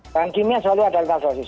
bahan kimia selalu ada lima dosis